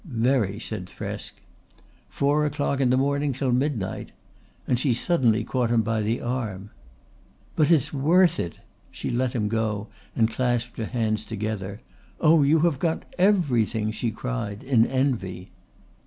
"Very," said Thresk. "Four o'clock in the morning till midnight;" and she suddenly caught him by the arm. "But it's worth it." She let him go and clasped her hands together. "Oh, you have got everything!" she cried in envy.